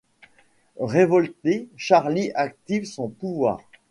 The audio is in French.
Révoltée, Charlie active son pouvoir.